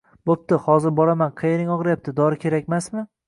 Bo‘pti, hozir boraman qayering og‘riyapti, dori kerakmasmi